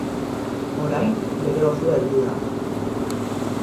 Orain, bere ordua heldu da.